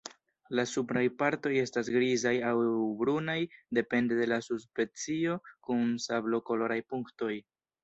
La supraj partoj estas grizaj aŭ brunaj, depende de la subspecio, kun sablokoloraj punktoj.